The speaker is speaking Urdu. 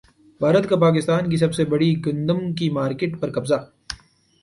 بھارت کا پاکستان کی سب سے بڑی گندم کی مارکیٹ پر قبضہ